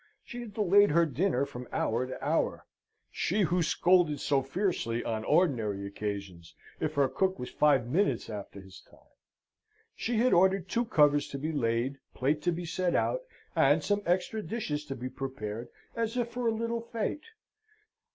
She had delayed her dinner from hour to hour: she who scolded so fiercely, on ordinary occasions, if her cook was five minutes after his time. She had ordered two covers to be laid, plate to be set out, and some extra dishes to be prepared as if for a little fete.